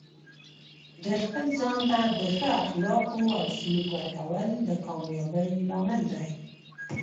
د خپل ځان ته د ښه اخلاقو او سلوک ورکول د کامیابۍ لامل دی.